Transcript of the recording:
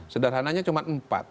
sederhananya cuma empat